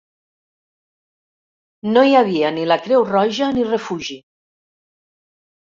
No hi havia ni la Creu Roja ni refugi.